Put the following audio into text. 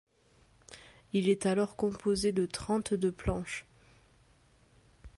Il est alors composé de trente-deux planches.